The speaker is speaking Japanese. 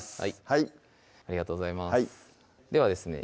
はいありがとうございますではですね